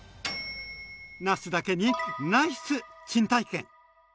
なすだけにナイス珍体験！